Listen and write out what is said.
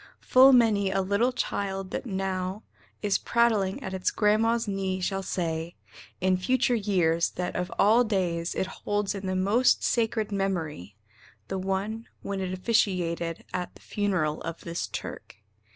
Full many a little child that now Is prattling at its grandma's knee shall say In future years that of all days it holds In the most sacred memory the one When it officiated at The funeral of this Turk.